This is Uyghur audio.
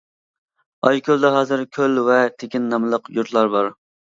ئايكۆلدە ھازىر «كۆل» ۋە «تېكىن» ناملىق يۇرتلار بار.